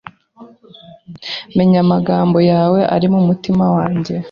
Menya amagambo yawe ari mumutima wanjye…